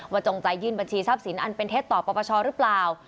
จงใจยื่นบัญชีทรัพย์สินอันเป็นเท็จต่อปปชหรือเปล่า